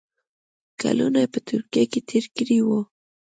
کلونه یې په ترکیه کې تېر کړي وو.